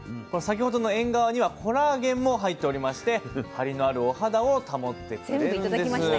これ先ほどのえんがわにはコラーゲンも入っておりましてハリのあるお肌を保ってくれるんです。